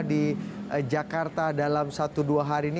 di jakarta dalam satu dua hari ini